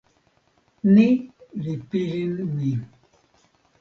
ni li pilin mi.